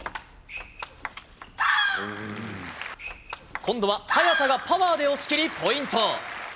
今度は早田がパワーで押し切り、ポイント。